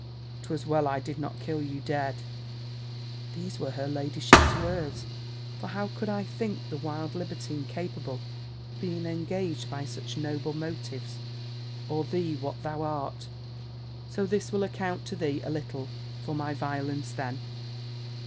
'Twas well I did not kill you dead." These were her ladyship's words "For how could I think the wild libertine capable of being engaged by such noble motives, or thee what thou art! So this will account to thee a little for my violence then."